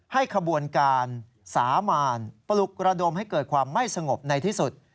ขบวนการสามารปลุกระดมให้เกิดความไม่สงบในที่สุด